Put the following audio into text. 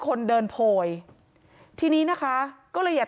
ความปลอดภัยของนายอภิรักษ์และครอบครัวด้วยซ้ำ